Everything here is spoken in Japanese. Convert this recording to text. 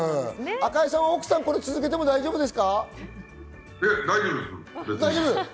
赤井さんは、これを続けても大丈夫です。